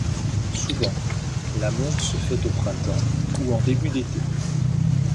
Souvent, la monte se fait au printemps ou en début d'été.